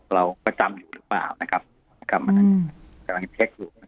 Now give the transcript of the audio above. เราประจำอยู่หรือเปล่านะครับครับอืมนะครับ